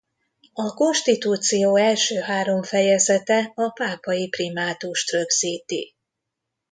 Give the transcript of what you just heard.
A konstitúció első három fejezete a pápai primátust rögzíti.